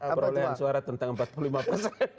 apa itu pak